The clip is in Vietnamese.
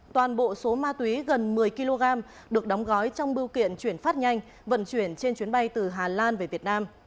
toàn bộ số ma túy gần một mươi kg được đóng gói trong bưu kiện chuyển phát nhanh vận chuyển trên chuyến bay từ hà lan về việt nam